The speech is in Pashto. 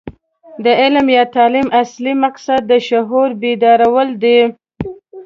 د علم یا تعلیم اصلي مقصد د شعور بیدارول دي.